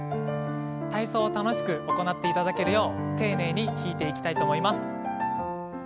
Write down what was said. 体操を楽しく行っていただけるよう丁寧に弾いていきたいと思います。